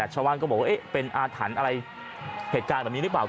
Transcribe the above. ชาวบ้านก็บอกว่าเป็นอาถรรพ์อะไรเหตุการณ์แบบนี้หรือเปล่า